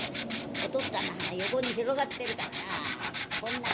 おとっつぁんの鼻横に広がってるからなこん中入らねえや。